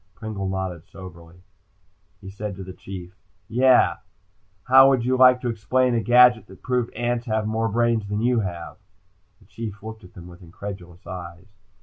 Pringle nodded soberly. "Yeah," he said to the Chief, "how would you like to explain a gadget that proved ants have more brains than you have?" The Chief looked at them with incredulous eyes.